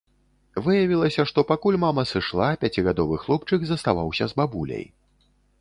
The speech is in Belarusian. Выявілася, што пакуль мама сышла, пяцігадовы хлопчык заставаўся з бабуляй.